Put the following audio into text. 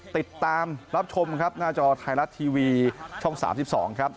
ติดตามรับชมครับหน้าจอไทยรัฐทีวีช่อง๓๒ครับ